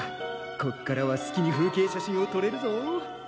こっからは好きに風景写真をとれるぞ。